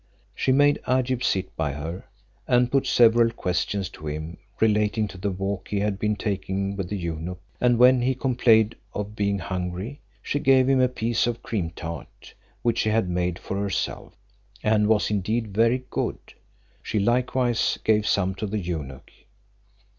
She made Agib sit by her, and put several questions to him, relating to the walk he had been taking with the eunuch; and when he complained of being hungry, she gave him a piece of cream tart, which she had made for herself, and was indeed very good: she likewise gave some to the eunuch.